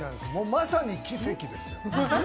まさに奇跡です。